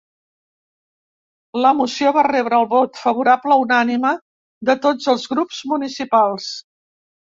La moció va rebre el vot favorable unànime de tots els grups municipals.